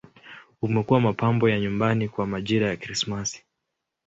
Umekuwa mapambo ya nyumbani kwa majira ya Krismasi.